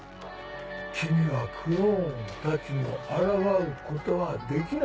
血にはクローンたちもあらがうことはできない。